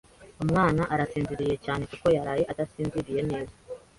Umwana arasinziriye cyane, kuko yaraye adasinziriye neza.